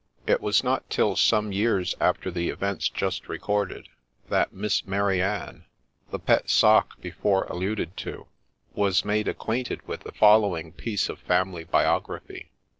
It was not till some years after the events just recorded, that Miss Mary Anne, the ' pet Sock ' before alluded to, was made acquainted with the following piece of family biography.